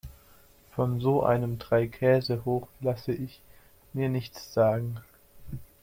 Von so einem Dreikäsehoch lasse ich mir nichts sagen.